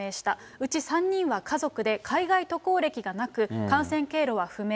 うち３人は家族で海外渡航歴がなく、感染経路は不明。